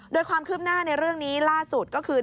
โดยความคืบหน้าในเรื่องนี้ล่าสุดก็คือ